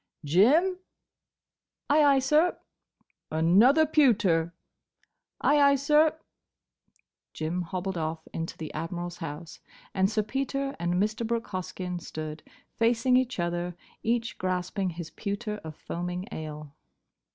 —Jim!" "Ay, ay, sir!" "Another pewter." "Ay, ay, sir." Jim hobbled off into the Admiral's house and Sir Peter and Mr. Brooke Hoskyn stood, facing each other, each grasping his pewter of foaming ale.